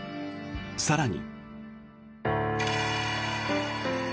更に。